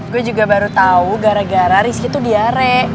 gue juga baru tahu gara gara rizky tuh diare